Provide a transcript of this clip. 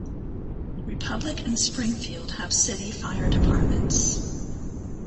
Republic and Springfield have city fire departments.